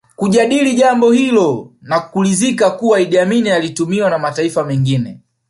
Kujadili jambo hilo na kuridhika kuwa Idi Amin alitumiwa na mataifa mengine